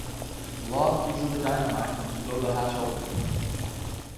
Locke uses the dynamite to blow the Hatch open.